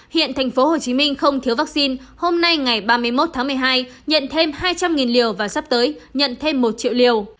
hiện tp hcm không thiếu vaccine hôm nay ngày ba mươi một tháng một mươi hai nhận thêm hai trăm linh liều và sắp tới nhận thêm một triệu liều